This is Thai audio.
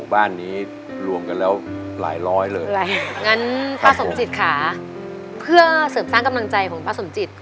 บ้านนี้รวมกันแล้วหลายร้อยเลยงั้นป้าสมจิตค่ะเพื่อเสริมสร้างกำลังใจของป้าสมจิต